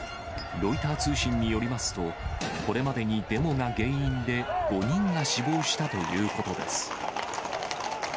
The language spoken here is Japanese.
ロイター通信によりますと、これまでにデモが原因で、５人が死亡したということです。